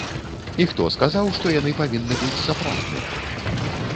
І хто сказаў, што яны павінны быць сапраўдныя?